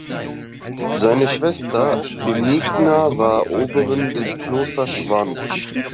Seine Schwester Benigna war Oberin des Klosters Schwanz.